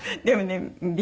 でもね